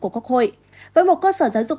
của quốc hội với một cơ sở giáo dục